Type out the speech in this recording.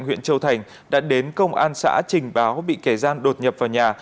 huyện châu thành đã đến công an xã trình báo bị kẻ gian đột nhập vào nhà